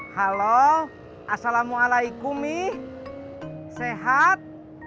halo assalamualaikum mih sehat